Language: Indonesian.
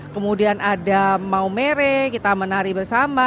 kemudian ada mau merek kita menari bersama